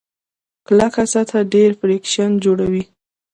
کلکه سطحه ډېر فریکشن جوړوي.